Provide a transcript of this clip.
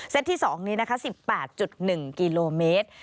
เซตที่๒นี้๑๘๑กิโลเมตร